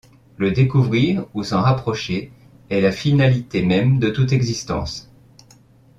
Le découvrir, ou s’en rapprocher, est la finalité même de toute existence.